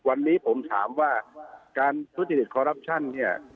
วันนี้ผมถามว่าการทุจิฤทธิ์เนี่ย